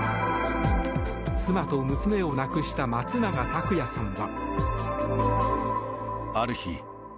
妻と娘を亡くした松永拓也さんは。